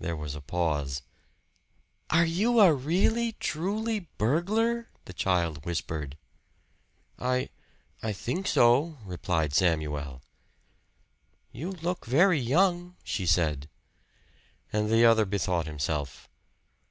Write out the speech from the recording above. There was a pause. "Are you a really truly burglar?" the child whispered. "I I think so," replied Samuel. "You look very young," she said. And the other bethought himself.